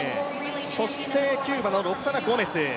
そしてキューバのロクサナ・ゴメス。